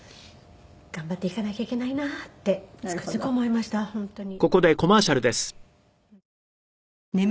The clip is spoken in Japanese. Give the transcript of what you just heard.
頑張っていかなきゃいけないなってつくづく思いました本当に。